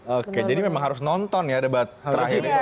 oke jadi memang harus nonton ya debat terakhir ya